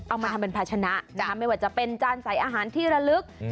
เอามาทำเป็นภาชนะไม่ว่าจะเป็นจานใส่อาหารที่ระลึก